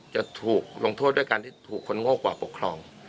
จะถูกลงโทษด้วยการที่ถูกคนโง่กว่าปกครอง